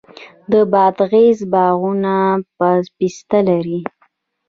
د بادغیس باغونه پسته لري.